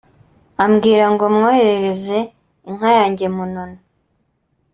ambwira ngo mwoherereze inka yanjye Munono